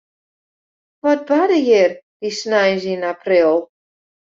Wat barde hjir dy sneins yn april?